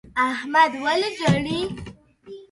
احمد ولي ژاړي؟